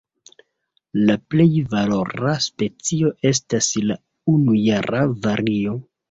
La plej valora specio estas la unujara vario.